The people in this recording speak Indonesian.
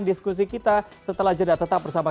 diskusi kita setelah jeda tetap bersama